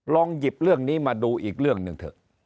ลองหยิบเรื่องนี้มาดูอีกเรื่องหนึ่งเถอะ